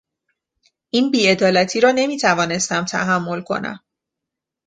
این بیعدالتی را نمیتوانستم تحمل کنم.